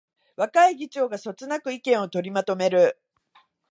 若い議長がそつなく意見を取りまとめる